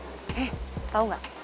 heh tau gak